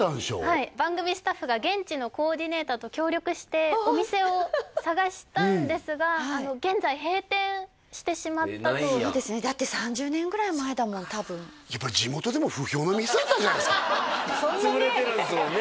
はい番組スタッフが現地のコーディネーターと協力してお店を探したんですが現在閉店してしまったとそうですねだって３０年ぐらい前だもん多分やっぱりそんなね潰れてるんですもんね